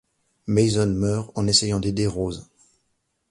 Mason meurt en essayant d'aider Rose.